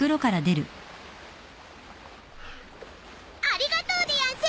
ありがとうでやんす！